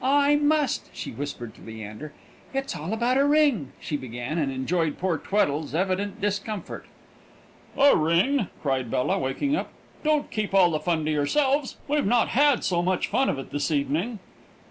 I must!" she whispered to Leander. "It's all about a ring," she began, and enjoyed poor Tweddle's evident discomfort. "A ring?" cried Bella, waking up. "Don't keep all the fun to yourselves; we've not had so much of it this evening."